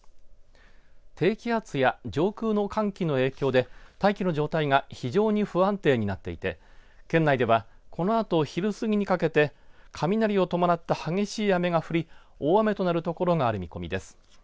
低気圧や上空の寒気の影響で大気の状態が非常に不安定になっていて県内ではこのあと昼過ぎにかけて雷を伴った激しい雨が降り大雨となるところがある見込みです。